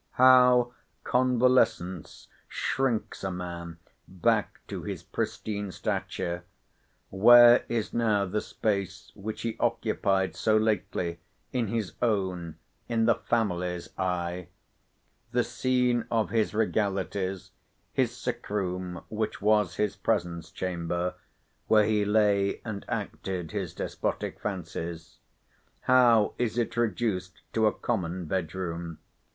How convalescence shrinks a man back to his pristine stature! where is now the space, which he occupied so lately, in his own, in the family's eye? The scene of his regalities, his sick room, which was his presence chamber, where he lay and acted his despotic fancies—how is it reduced to a common bedroom!